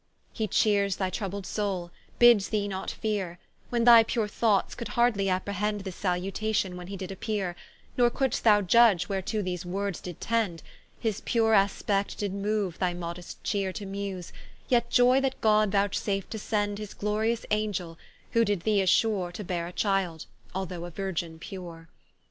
He cheeres thy troubled soule, bids thee not feare; When thy pure thoughts could hardly apprehend This salutation, when he did appeare; Nor couldst thou judge, whereto those words did tend; His pure aspect did mooue thy modest cheere To muse, yet joy that God vouchsaf'd to send His glorious Angel; who did thee assure To beare a child, although a Virgin pure.